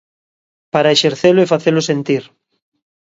Para exercelo e facelo sentir.